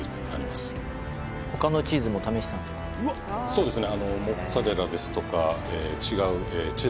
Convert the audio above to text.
そうですね